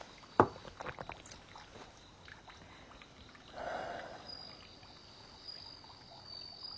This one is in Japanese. はあ。